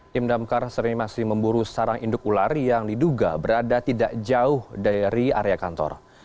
tim damkar sering masih memburu sarang induk ular yang diduga berada tidak jauh dari area kantor